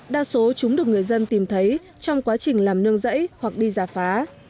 đa số chúng được người dân tìm thấy trong quá trình làm nương rẫy hoặc đi giả phá